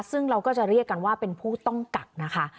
ซึ่งเราก็จะเรียกกันว่าเป็นผู้ต้องกักนะคะ